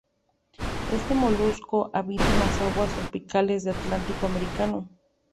Este molusco habita en las aguas tropicales del Atlántico americano.